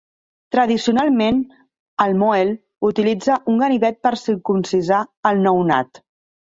Tradicionalment, el "mohel" utilitza un ganivet per circumcidar el nounat.